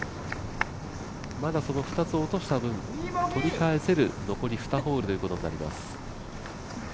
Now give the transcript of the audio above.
まだ、２つ落とした分、取り返せる残り２ホールということになります。